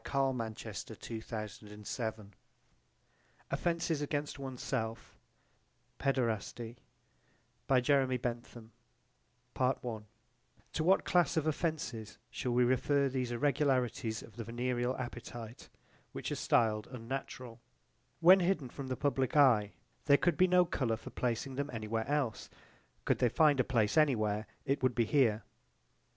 Punishment not necessary for the sake of women OFFENCES AGAINST ONE'S SELF: PAEDERASTY To what class of offences shall we refer these irregularities of the venereal appetite which are stiled unnatural? When hidden from the public eye there could be no colour for placing them any where else: could they find a place any where it would be here.